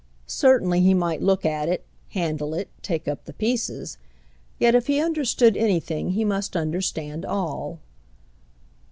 Certainly he might look at it, handle it, take up the pieces. Yet if he understood anything he must understand all.